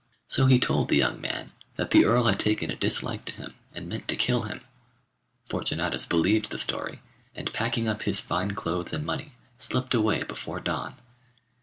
So he told the young man that the Earl had taken a dislike to him and meant to kill him; Fortunatus believed the story, and packing up his fine clothes and money, slipped away before dawn.